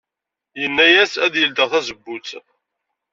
Yenna-as ad yeldey tazewwut.